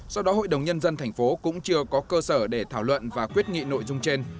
do đó hội đồng nhân dân thành phố cũng chưa có cơ sở để thảo luận và quyết nghị nội dung trên